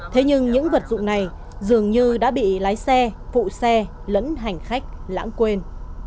thế nhưng những vật dụng này dường như đã bị lái xe phụ xe lẫn hành khách lãng quên